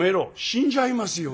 「死んじゃいますよ